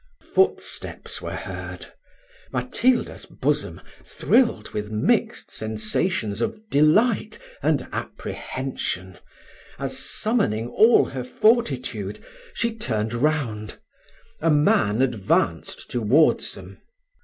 Footsteps were heard Matilda's bosom thrilled with mixed sensations of delight and apprehension, as, summoning all her fortitude, she turned round. A man advanced towards them.